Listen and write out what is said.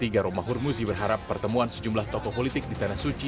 romahur muzi berharap pertemuan sejumlah tokoh politik di tanah suci